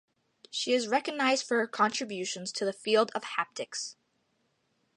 She is recognized for her contributions to the field of haptics.